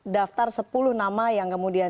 daftar sepuluh nama yang kemudian